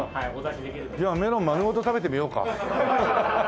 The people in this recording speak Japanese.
じゃあメロン丸ごと食べてみようか。